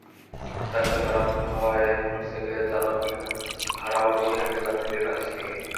রাস্তা খারাপ হওয়ায় মোটরসাইকেলের চালকেরা ভাড়াও বেশি হাঁকেন যাত্রীদের কাছ থেকে।